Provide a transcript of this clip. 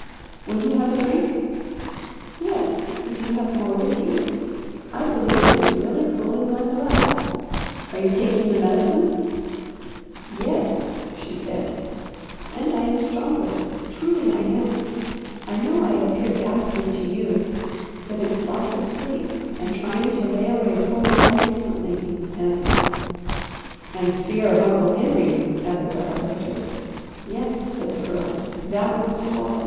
"Will you have a drink?" "Yes, if you have more with you. I believe it is really cooling my blood." "Are you taking the medicine?" "Yes," she said, "and I am stronger. Truly I am. I know I appear ghastly to you, but it's loss of sleep, and trying to lay away poor Aunt Molly decently, and " "And fear of Uncle Henry," added the Harvester. "Yes," said the Girl. "That most of all!